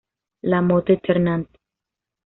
La Motte-Ternant